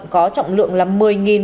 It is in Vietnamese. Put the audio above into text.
có trọng lượng là